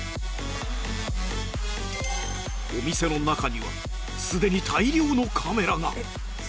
お店の中にはすでに大量のカメラが